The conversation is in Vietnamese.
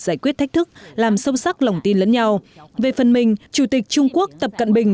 giải quyết thách thức làm sâu sắc lòng tin lẫn nhau về phần mình chủ tịch trung quốc tập cận bình